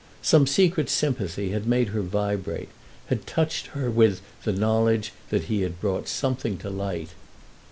Some secret sympathy had made her vibrate—had touched her with the knowledge that he had brought something to light.